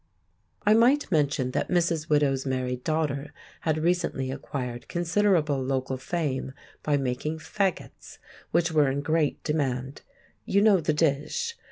I might mention that Mrs. Widow's married daughter had recently acquired considerable local fame by making "faggots," which were in great demand. You know the dish?